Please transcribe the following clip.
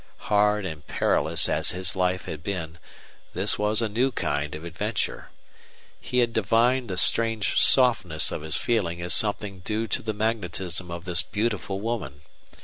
Hard and perilous as his life had been, this was a new kind of adventure. He had divined the strange softness of his feeling as something due to the magnetism of this beautiful woman.